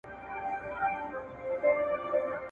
زه ليکنې کړي دي؟!